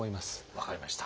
分かりました。